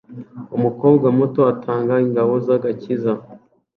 Umukobwa muto atanga ingabo z'agakiza